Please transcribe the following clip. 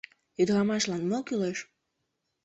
Ӱдырамашлан мо кӱлеш?